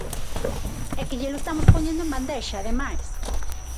É que llelo estamos poñendo en bandexa, ademais.